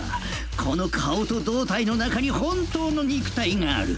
この顔と胴体の中に本当の肉体がある。